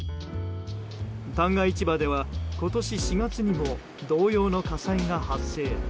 旦過市場では今年４月にも同様の火災が発生。